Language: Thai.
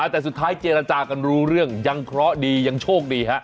แต่สุดท้ายเจรจากันรู้เรื่องยังเคราะห์ดียังโชคดีฮะ